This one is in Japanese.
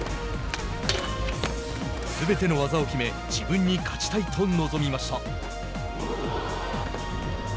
すべての技を決め自分に勝ちたいと臨みました。